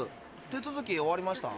手続き終わりました？